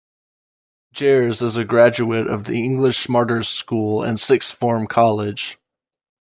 Gers is a graduate of the English Martyrs School and Sixth Form College.